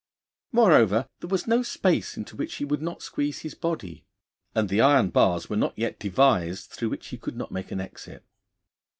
Moreover, there was no space into which he would not squeeze his body, and the iron bars were not yet devised through which he could not make an exit.